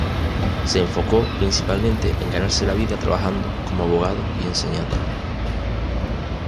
Se enfocó principalmente en ganarse la vida trabajando como abogado y enseñando.